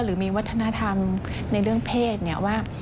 หรือมีวัฒนธรรมในเรื่องเพศเนี่ยว่า